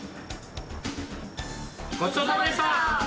「ごちそうさまでした！」。